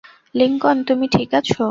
Lincoln, তুমি ঠিক আছো?